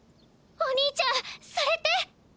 お兄ちゃんそれって。